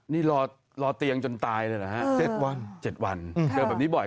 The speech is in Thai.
นี่รอเตียงจนตายเลยเหรอฮะ๗วัน๗วันเจอแบบนี้บ่อย